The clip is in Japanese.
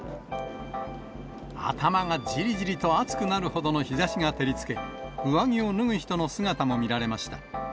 頭がじりじりと暑くなるほどの日ざしが照りつけ、上着を脱ぐ人の姿も見られました。